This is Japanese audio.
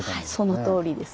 そのとおりです。